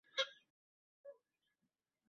চার বছর পরে এই শহরেই তার মৃত্যু ঘটে।